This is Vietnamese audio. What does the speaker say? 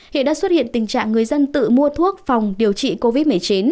hiện đã xuất hiện tình trạng người dân tự mua thuốc phòng điều trị covid một mươi chín